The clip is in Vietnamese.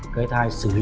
cái thai xử lý